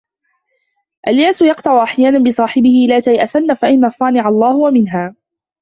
الْيَأْسُ يَقْطَعُ أَحْيَانًا بِصَاحِبِهِ لَا تَيْأَسَنَّ فَإِنَّ الصَّانِعَ اللَّهُ وَمِنْهَا